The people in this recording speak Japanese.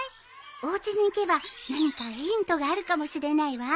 おうちに行けば何かヒントがあるかもしれないわ。